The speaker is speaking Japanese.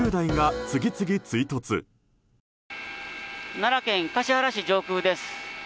奈良県橿原市上空です。